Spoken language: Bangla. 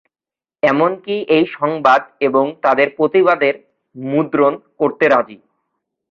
এমনকি এই সংবাদ এবং তাদের প্রতিবাদের মুদ্রণ করতে রাজি।